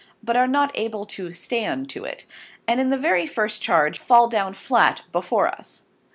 2>> but are not able to stand to it, and in the very first Charge fall down flat before us.